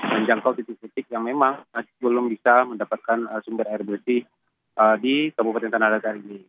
menjangkau titik titik yang memang masih belum bisa mendapatkan sumber air bersih di kabupaten tanah datar ini